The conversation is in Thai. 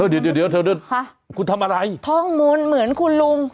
เดี๋ยวคุณทำอะไรท่องมนต์เหมือนคุณลุง